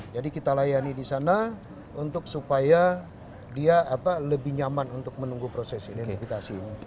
jadi kita layani di sana supaya dia lebih nyaman untuk menunggu proses identifikasi